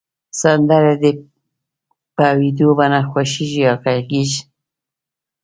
سندری د په ویډیو بڼه خوښیږی یا غږیز